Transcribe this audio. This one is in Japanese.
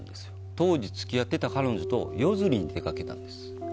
当時、付き合ってた彼女と夜釣りに出かけたんです。